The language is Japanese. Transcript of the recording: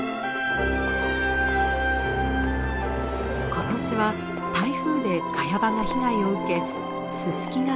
今年は台風でカヤ場が被害を受けススキが不足。